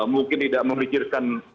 mungkin tidak memikirkan